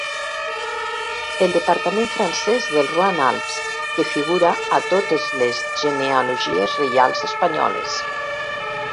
El departament francès del Roine-Alps que figura a totes les genealogies reials espanyoles.